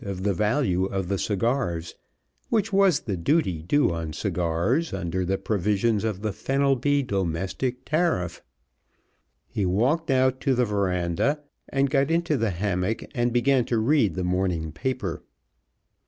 of the value of the cigars, which was the duty due on cigars under the provisions of the Fenelby Domestic Tariff. He walked out to the veranda and got into the hammock and began to read the morning paper.